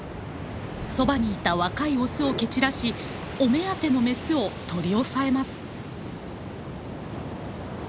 そばにいた若いオスを蹴散らしお目当てのメスを取り押さえます。